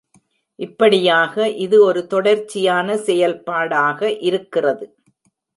இப்படியாக இது ஒரு தொடர்ச்சியான செயல்பாடாக இருக்கிறது.